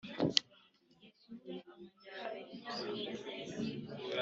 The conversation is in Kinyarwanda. we n’umuryango we bayobotse ugusenga kutanduye